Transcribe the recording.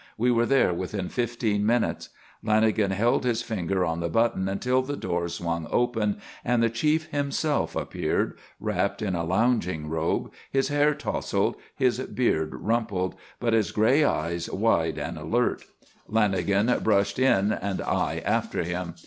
We were there within fifteen minutes. Lanagan held his finger on the button until the door swung open and the Chief himself appeared, wrapped in a lounging robe, his hair tousled, his beard rumpled, but his grey eyes wide and alert. Lanagan brushed in and I after him.